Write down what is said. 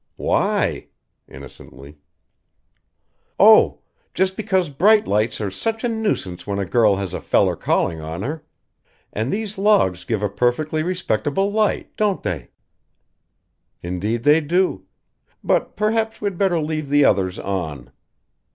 "Why?" innocently. "Oh! just because Bright lights are such a nuisance when a girl has a feller calling on her. And these logs give a perfectly respectable light, don't they?" "Indeed they do but perhaps we'd better leave the others on."